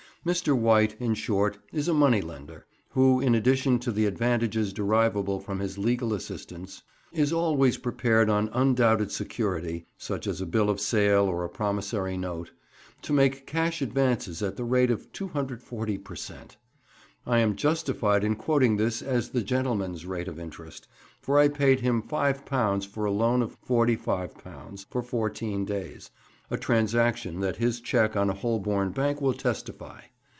Mr. White, in short, is a money lender, who, in addition to the advantages derivable from his legal assistance, is always prepared on undoubted security—such as a bill of sale or a promissory note—to make cash advances at the rate of 240 per cent. I am justified in quoting this as the gentleman's rate of interest, for I paid him £5 for a loan of £45 for fourteen days, a transaction that his cheque on a Holborn bank will testify.